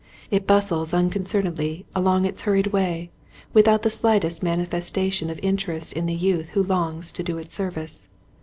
It bustles unconcernedly along its hurried way without the slightest mani festation of interest in the youth who longs to do it service.